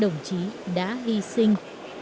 đồng chí đã hy sinh